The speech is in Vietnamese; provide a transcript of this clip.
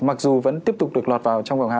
mặc dù vẫn tiếp tục được lọt vào trong vòng hai